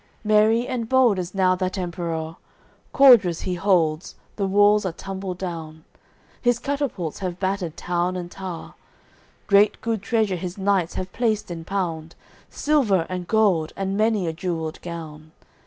AOI. VIII Merry and bold is now that Emperour, Cordres he holds, the walls are tumbled down, His catapults have battered town and tow'r. Great good treasure his knights have placed in pound, Silver and gold and many a jewelled gown.